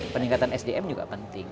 peningkatan sdm juga penting